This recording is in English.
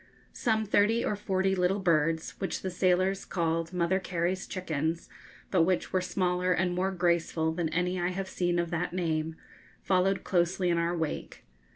Some thirty or forty little birds, which the sailors called Mother Carey's chickens, but which were smaller and more graceful than any I have seen of that name, followed closely in our wake.